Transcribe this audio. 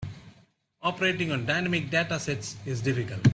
Operating on dynamic data sets is difficult.